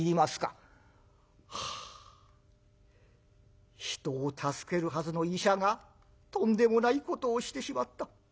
「はあ人を助けるはずの医者がとんでもないことをしてしまった。